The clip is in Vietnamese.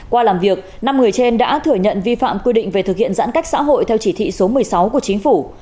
qua làm việc năm người trên đã thừa nhận vi phạm quy định về thực hiện giãn cách xã hội theo chỉ thị số một mươi sáu của chính phủ